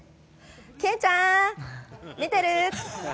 けんちゃん、見てる？